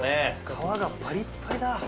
皮がパリパリだ。